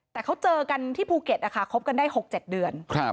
แต่เขาเจอกันที่ภูเก็ตนะคะคบกันได้๖๗เดือน